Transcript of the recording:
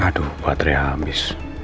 aduh baterai habis